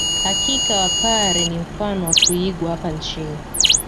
Hakika wapare ni mfano wa kuigwa hapa nchini